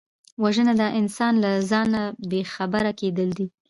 وژنه د انسان له ځانه بېخبره کېدل دي